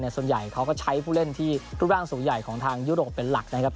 ส่วนใหญ่เขาก็ใช้ผู้เล่นที่รูปร่างสูงใหญ่ของทางยุโรปเป็นหลักนะครับ